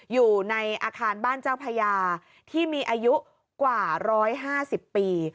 อยู่ในอาคารบ้านเจ้าพญาที่มีอายุกว่า๑๕๐ปี